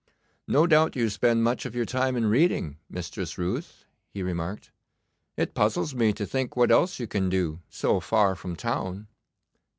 'No doubt you spend much of your time in reading, Mistress Ruth,' he remarked. 'It puzzles me to think what else you can do so far from town?